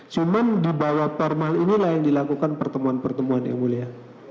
cuma di bawah formal inilah yang dilakukan pertemuan pertemuan yang mulia